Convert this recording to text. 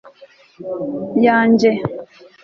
yanjye